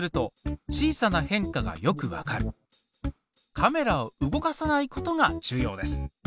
カメラを動かさないことが重要です。